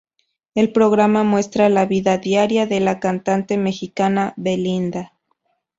El programa muestra la vida diaria de la cantante mexicana Belinda.